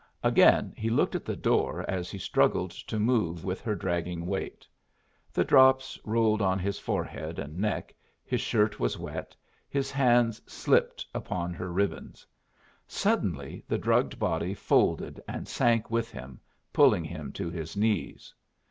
Again he looked at the door as he struggled to move with her dragging weight. The drops rolled on his forehead and neck, his shirt was wet, his hands slipped upon her ribbons. Suddenly the drugged body folded and sank with him, pulling him to his knees.